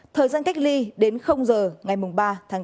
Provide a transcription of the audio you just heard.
thời gian cách ly đến giờ ngày ba tháng bốn